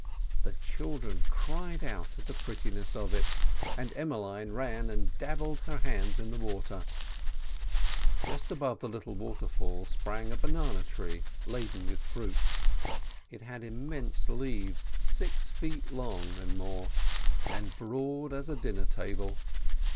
The children cried out at the prettiness of it, and Emmeline ran and dabbled her hands in the water. Just above the little waterfall sprang a banana tree laden with fruit; it had immense leaves six feet long and more, and broad as a dinner table.